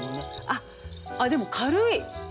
あっでも軽い。